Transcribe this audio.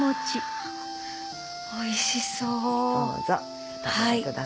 あおいしそう。